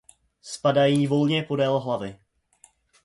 Spadají volně podél hlavy.